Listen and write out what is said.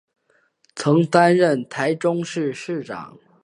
曾担任台中市市长。